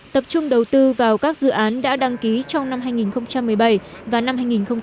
tập trung đầu tư vào các dự án đã đăng ký trong năm hai nghìn một mươi bảy và năm hai nghìn một mươi tám